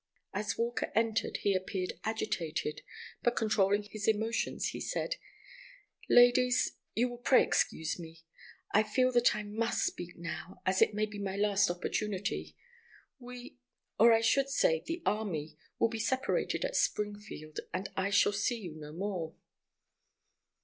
As Walker entered he appeared agitated, but controlling his emotions, he said: "Ladies, you will pray excuse me. I feel that I must speak now, as it may be my last opportunity. We—or, I should say the army—will be separated at Springfield, and I shall see you no more."